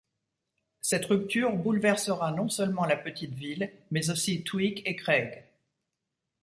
Cette rupture bouleversera non seulement la petite ville mais aussi Tweek et Craig.